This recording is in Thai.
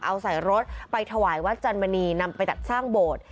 เอาใส่รถไปถวายวัดจันมณีนำไปจัดสร้างโบสถ์